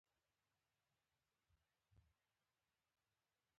د درملو تولید او صادراتو له امله ژر پراختیا ومونده.